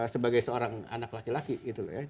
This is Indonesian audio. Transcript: sebagai seorang anak laki laki gitu loh ya